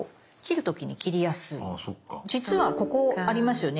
実はここありますよね。